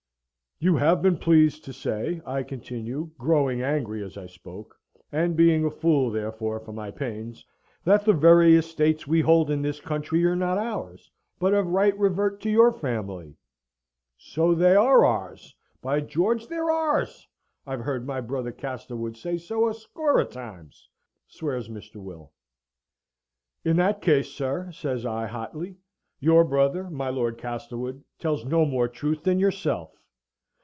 "You have been pleased to say," I continued, growing angry as I spoke, and being a fool therefore for my pains, "that the very estates we hold in this country are not ours, but of right revert to your family!" "So they are ours! By George, they're ours! I've heard my brother Castlewood say so a score of times!" swears Mr. Will. "In that case, sir," says I, hotly, "your brother, my Lord Castlewood, tells no more truth than yourself.